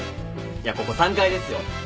いやここ３階ですよ。